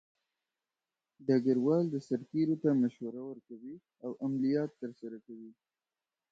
ډګروال د سرتیرو ته مشوره ورکوي او عملیات ترسره کوي.